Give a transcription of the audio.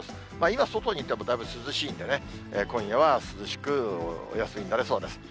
今、外にいてもだいぶ涼しいんでね、今夜は涼しくお休みになれそうです。